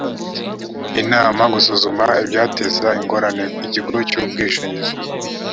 inama gusuzuma ibyateza ingorane ikigo cy’ubwishingizi